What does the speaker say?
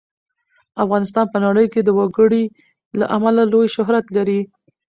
افغانستان په نړۍ کې د وګړي له امله لوی شهرت لري.